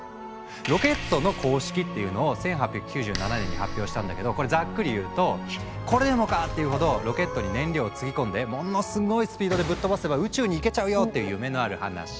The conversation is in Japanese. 「ロケットの公式」っていうのを１８９７年に発表したんだけどこれざっくり言うと「これでもかっていうほどロケットに燃料を積み込んでものすごいスピードでぶっ飛ばせば宇宙に行けちゃうよ」っていう夢のある話。